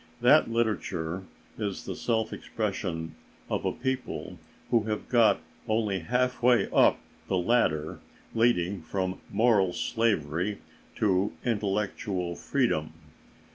That literature is the self expression of a people who have got only half way up the ladder leading from moral slavery to intellectual freedom.